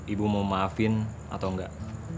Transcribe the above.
ibu mau maafin atau enggak